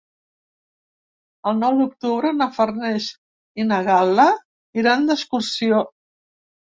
El nou d'octubre na Farners i na Gal·la iran d'excursió.